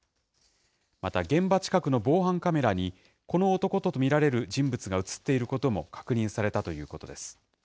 また現場近くの防犯カメラに、この男と見られる人物が写っていることも確認されたということです。